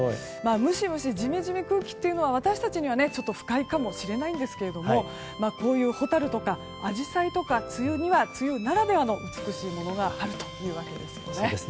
ムシムシ、ジメジメ空気というのは私たちには不快かもしれないですがこういうホタルとかアジサイには梅雨には梅雨ならではの美しいものがあるということですね。